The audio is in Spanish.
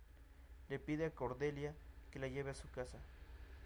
Le pide a Cordelia que la lleve a su casa.